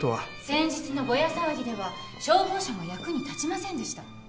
先日のぼや騒ぎでは消防車も役に立ちませんでした。